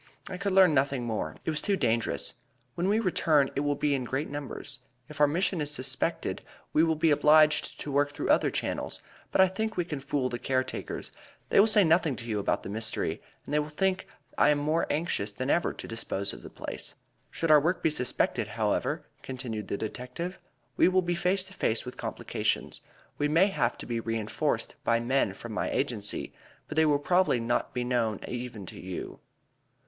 "I could learn nothing alone. It was too dangerous. When we return, it will be in greater numbers. If our mission is suspected we will be obliged to work through other channels, but I think we can fool the care takers; they will say nothing to you about the mystery, and they will think that I am more anxious than ever to dispose of the place. Should our work be suspected, however," continued the detective, "we will be face to face with complications. We may have to be reënforced by men from my agency, but they will probably not be known even to you."